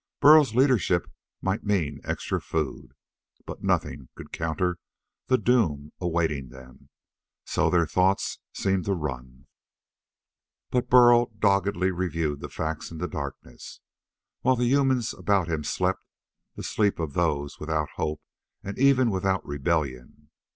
Burl's leadership might mean extra food, but nothing could counter the doom awaiting them so their thoughts seemed to run. But Burl doggedly reviewed the facts in the darkness, while the humans about him slept the sleep of those without hope and even without rebellion.